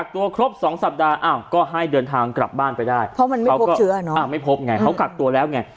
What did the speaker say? ไม่พบไงเขากลับตัวแล้วไง